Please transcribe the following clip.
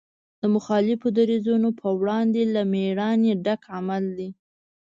د مخالفو دریځونو په وړاندې له مېړانې ډک عمل دی.